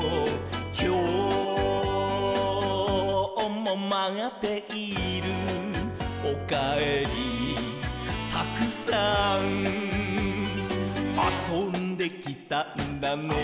「きょうもまっている」「おかえりたくさん」「あそんできたんだね」